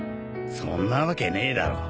そんなわけねえだろ。